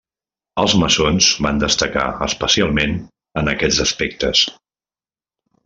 Els maçons van destacar especialment en aquests aspectes.